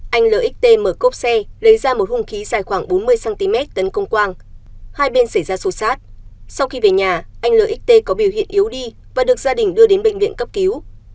anh l mở cốp xe lấy ra một hung khí dài khoảng bốn mươi cm tấn công quang hai bên xảy ra xô xát sau khi về nhà anh lợi ích t có biểu hiện yếu đi và được gia đình đưa đến bệnh viện cấp cứu